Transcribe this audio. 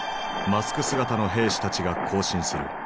マスク姿の兵士たちが行進する。